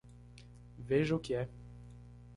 Veja o que é